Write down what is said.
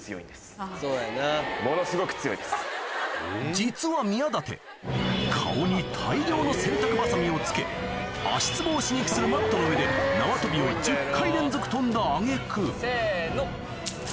実は宮舘顔に大量の洗濯バサミをつけ足つぼを刺激するマットの上で縄跳びを１０回連続跳んだ揚げ句・せの・きゃ！